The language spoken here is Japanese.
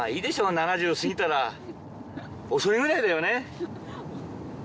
７０過ぎたら遅いぐらいだよね